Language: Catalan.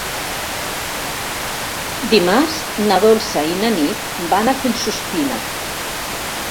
Dimarts na Dolça i na Nit van a Collsuspina.